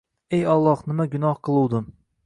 “Ey Alloh, nima gunoh qiluvdim.